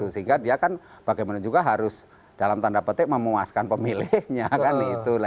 sehingga dia kan bagaimana juga harus dalam tanda petik memuaskan pemilihnya